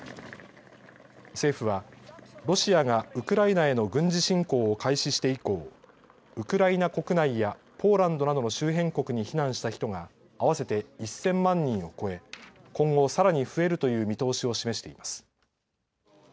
政府はロシアがウクライナへの軍事侵攻を開始して以降、ウクライナ国内やポーランドなどの周辺国に避難した人が合わせて１０００万人を超え、今後さらに増えるという見通しを示しています。